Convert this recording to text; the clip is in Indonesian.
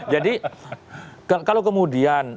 jadi kalau kemudian